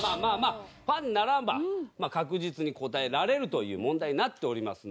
あファンならば確実に答えられるという問題になっておりますので。